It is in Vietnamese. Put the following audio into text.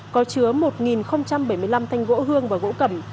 có chứa một bảy mươi năm thanh gỗ hương và gỗ cầm